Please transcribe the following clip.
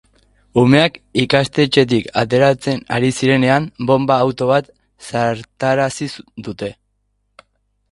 Umeak ikastetxetik ateratzen ari zirenean, bonba-auto bat zartarazi dute.